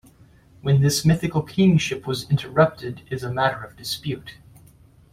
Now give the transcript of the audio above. When this mythical kingship was interrupted is a matter of dispute.